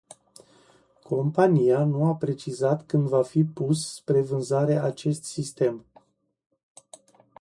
Compania nu a precizat când va fi pus spre vânzare acest sistem.